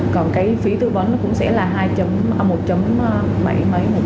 còn cái phí tư vấn nó cũng sẽ là một bảy mấy một sáu gì một ngày